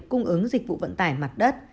cung ứng dịch vụ vận tải mặt đất